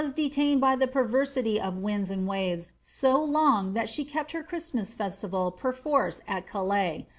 detained by the perversity of winds and waves so long that r Christmas festival perforce at Calais.